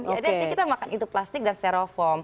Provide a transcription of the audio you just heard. jadi kita makan itu plastik dan styrofoam